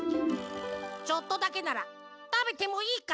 ちょっとだけならたべてもいいか。